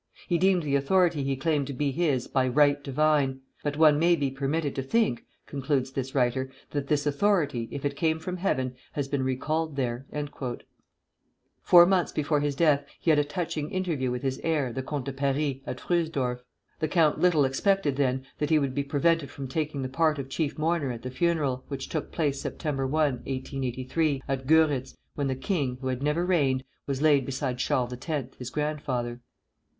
He deemed the authority he claimed to be his by right divine; but one may be permitted to think," concludes this writer, "that this authority, if it came from Heaven, has been recalled there." Four months before his death he had a touching interview with his heir, the Comte de Paris, at Fröhsdorf. The count little expected then that he would be prevented from taking the part of chief mourner at the funeral which took place Sept. 1, 1883, at Göritz, when the king, who had never reigned, was laid beside Charles X., his grandfather.